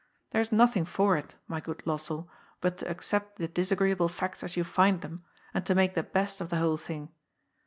There is nothing for it, my good Los sell, but to accept the disagreeable facts as you find them and to make the best of the whole thing.